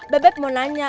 bebek mau nanya